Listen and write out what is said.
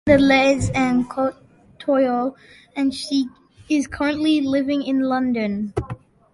She lived in Leeds and Kyoto and she is currently living in London.